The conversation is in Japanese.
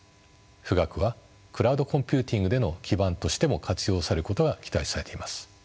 富岳はクラウドコンピューティングでの基盤としても活用されることが期待されています。